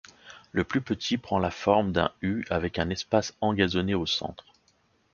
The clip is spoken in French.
Le plus petit prend la forme d'un U avec un espace engazonné au centre.